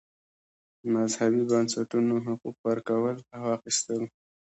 مذهبي بنسټونو حقوق ورکول او اخیستل.